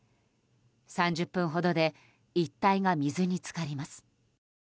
３０分ほどで一帯が水に浸かります。